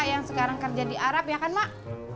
yang sekarang kerja di arab ya kan mak